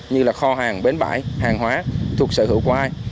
như là kho hàng bến bãi hàng hóa thuộc sở hữu của ai